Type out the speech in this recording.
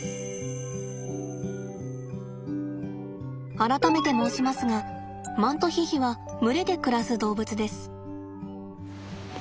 改めて申しますがマントヒヒは群れで暮らす動物です。